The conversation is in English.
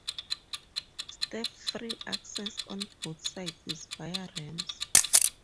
Step-free access on both sides is via ramps.